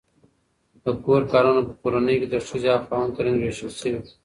د کور کارونه په کورنۍ کې د ښځې او خاوند ترمنځ وېشل شوي.